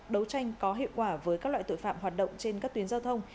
đấu tranh có hiệu quả với các loại tội phạm hoạt động trên các tuyến giao thông